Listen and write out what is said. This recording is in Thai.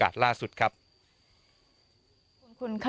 หลังจากผู้ชมไปฟังเสียงแม่น้องชมไป